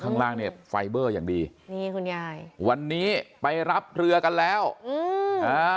ข้างล่างเนี่ยไฟเบอร์อย่างดีนี่คุณยายวันนี้ไปรับเรือกันแล้วอืมอ่า